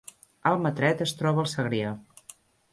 Almatret es troba al Segrià